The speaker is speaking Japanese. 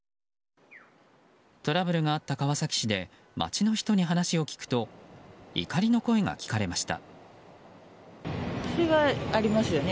トラブルがあった川崎市で街の人に話を聞くと怒りの声が聞かれました。